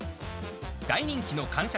大人気の感謝